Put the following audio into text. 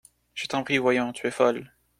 Je t’en prie, voyons ! tu es folle !